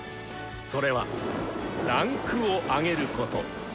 それは「位階を上げる」こと。